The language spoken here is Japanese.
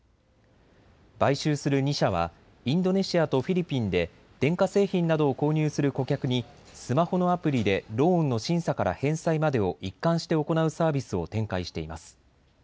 買収する２社はインドネシアとフィリピンで電化製品などを購入する顧客にスマホのアプリでローンの審査から返済までを一貫して行うサービスを展開しています。